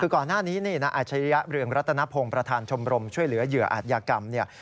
คือก่อนหน้านี้นี่นายอาชริยะเรืองรัตนพงศ์ประธานชมรมช่วยเหลือเหยื่ออาจยากรรมเนี่ย